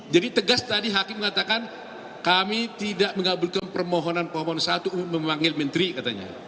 jadi tegas tadi hakim mengatakan kami tidak mengabulkan permohonan pemohon satu untuk memanggil menteri katanya